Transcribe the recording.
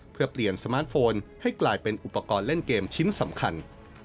เพื่อเปลี่ยนสมาร์ทโฟนให้กลายเป็นอุปกรณ์เล่นเกมชิ้นสำคัญ